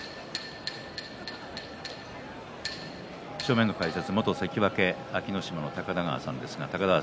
正面の解説、元関脇安芸乃島の高田川さんです。